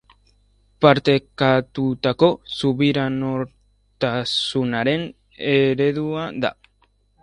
Partekatutako subiranotasunaren eredua da.